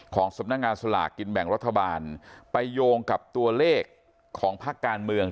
สำนักงานสลากกินแบ่งรัฐบาลไปโยงกับตัวเลขของพักการเมือง